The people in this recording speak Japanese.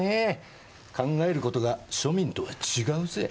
考える事が庶民とは違うぜ。